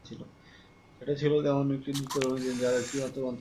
সেটি ছিল তেমন একটি দ্রুতগামী ট্রেন, যার একটিই মাত্র গন্তব্য ছিল।